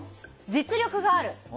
実力がある。